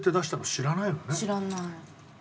知らない。